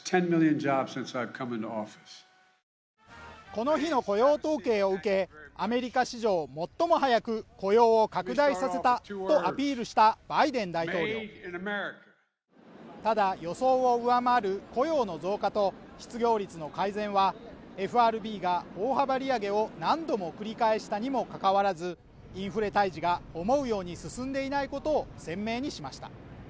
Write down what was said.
この日の雇用統計を受けアメリカ史上最も早く雇用を拡大させたとアピールしたバイデン大統領ただ予想を上回る雇用の増加と失業率の改善はＦＲＢが大幅利上げを何度も繰り返したにもかかわらずインフレ退治が思うように進んでいないことを鮮明にしました